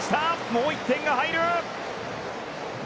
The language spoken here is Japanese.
もう一点が入る！